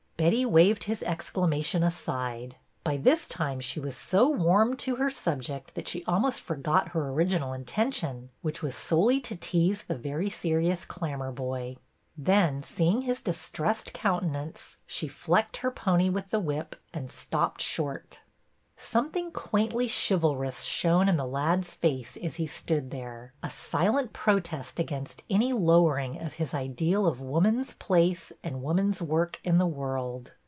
Betty waved his exclamation aside. By this time she was so warmed to her subject that she almost forgot her original intention, which was solely to tease the very serious Clammerboy. Then, seeing his distressed countenance, she flecked her pony with the whip and stopped short. Something quaintly chivalrous shone in the lad's face as he stood there, a silent protest against any lowering of his ideal of woman's place and woman's work in the world.